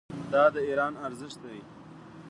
دا د ایران ارزښت دی.